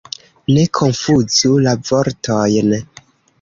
Ne konfuzu la vortojn!